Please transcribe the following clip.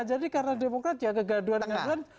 jadi karena demokrat ya kegaduhan gaduhan